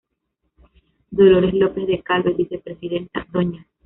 Dolores López de Calvet, vicepresidenta; Dña.